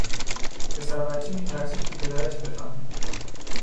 پسر بچه میترسید که پدرش بفهمد